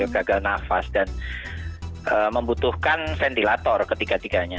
gagal nafas dan membutuhkan ventilator ketiga tiganya